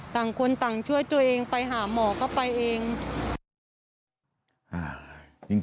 ต่างคนต่างช่วยตัวเองไปหาหมอก็ไปเอง